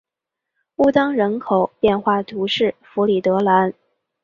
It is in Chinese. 乌当人口变化图示弗里德兰